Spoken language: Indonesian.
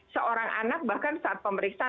seorang anak bahkan saat pemeriksaan